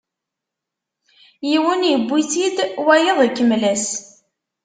Yiwen iwwi-tt-id, wayeḍ ikemmel-as.